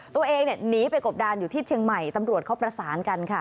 ตัวเองหนีไปกบดานอยู่ที่เชียงใหม่ตำรวจเขาประสานกันค่ะ